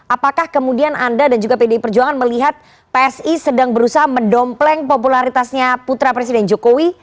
apakah kemudian anda dan juga pdi perjuangan melihat psi sedang berusaha mendompleng popularitasnya putra presiden jokowi